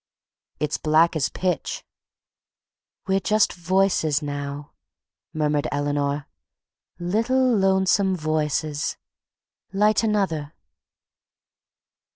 "It's black as pitch." "We're just voices now," murmured Eleanor, "little lonesome voices. Light another."